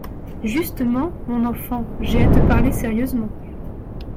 Justement, mon enfant, j’ai à te parler sérieusement !